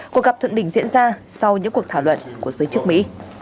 cuộc gặp thượng đỉnh diễn ra sau những cuộc thảo luận của giới chức mỹ